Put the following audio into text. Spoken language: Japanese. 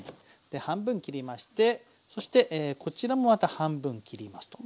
で半分切りましてそしてこちらもまた半分切りますと。